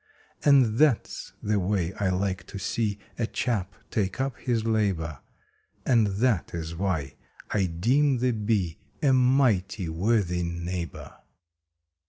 And that s the way I like to see a chap take up his labor, And that is why I deem the Bee a mighty worthy neighbor!